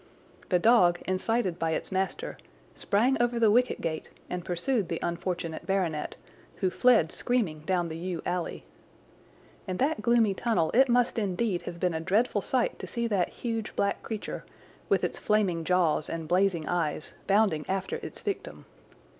The dog, incited by its master, sprang over the wicket gate and pursued the unfortunate baronet, who fled screaming down the yew alley. In that gloomy tunnel it must indeed have been a dreadful sight to see that huge black creature, with its flaming jaws and blazing eyes, bounding after its victim.